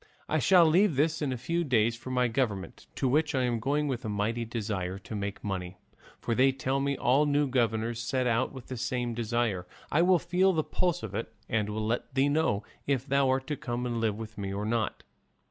I shall leave this in a few days for my government, to which I am going with a mighty great desire to make money, for they tell me all new governors set out with the same desire; I will feel the pulse of it and will let thee know if thou art to come and live with me or not.